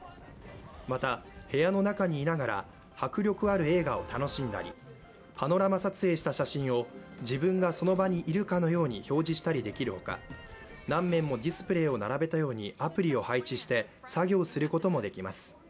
また部屋の中にいながら迫力ある映画を楽しんだりパノラマ撮影した写真を自分がその場にいるかのように表示したりできるほか、何面もディスプレーを並べたようにアプリを配置して作業することもできます。